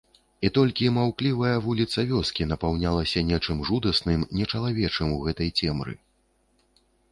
І толькі маўклівая вуліца вёскі напаўнялася нечым жудасным, нечалавечым у гэтай цемры.